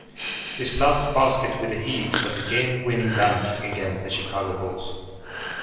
His last basket with the Heat was a game-winning dunk against the Chicago Bulls.